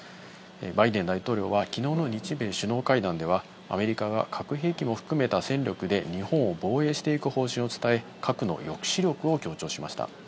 バイデン大統領はきのうの日米首脳会談では、アメリカが核兵器も含めた戦力で日本を防衛していく方針を伝え、核の抑止力を、強調しました。